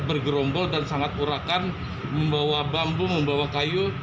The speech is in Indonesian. bergerombol dan sangat urakan membawa bambu membawa kayu